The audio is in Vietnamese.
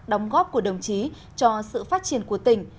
đóng góp của đồng chí cho sự phát triển của tỉnh